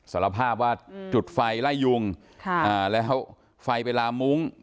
สารภาพว่าอืมจุดไฟไล่ยุ่งค่ะอ่าแล้วไฟไปลามมุ้ง